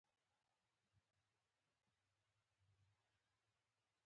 دغه دعوې پر داسې مسایلو باندې دي.